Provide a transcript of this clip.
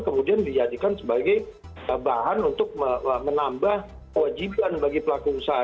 kemudian dijadikan sebagai bahan untuk menambah kewajiban bagi pelaku usaha